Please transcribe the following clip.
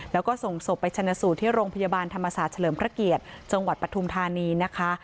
แล้วก็ส่งศพไปชนะสูตรที่โรงพยาบาลธรรมศาสตร์เฉลิมพระเกียรติจังหวัดปฐุมธานีนะคะ